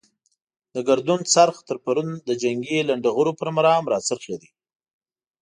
د ګردون څرخ تر پرون د جنګي لنډه غرو پر مرام را څرخېدلو.